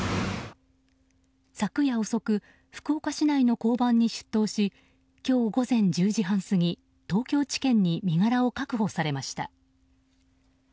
昨夜遅く福岡市内の交番に出頭し今日午前１０時半過ぎ東京地検に身柄を確保されました。